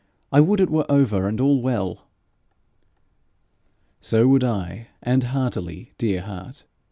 I would it were over and all well!' 'So would I and heartily, dear heart!